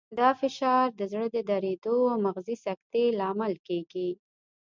دا فشار د زړه د دریدو او مغزي سکتې لامل کېږي.